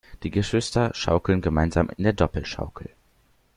Die Geschwister schaukeln gemeinsam in der Doppelschaukel.